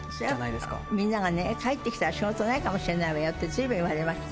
それはみんながね、帰ってきたら仕事ないかもしれないわよってずいぶん言われました。